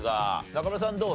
中村さんどう？